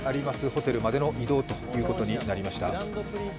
ホテルまでの移動ということになりました。